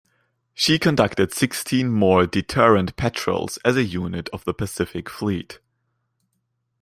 She conducted sixteen more deterrent patrols as a unit of the Pacific Fleet.